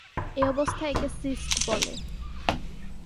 এ অবস্থায় একে সিস্ট বলে।